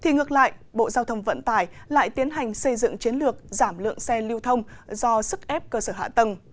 ngược lại bộ giao thông vận tải lại tiến hành xây dựng chiến lược giảm lượng xe lưu thông do sức ép cơ sở hạ tầng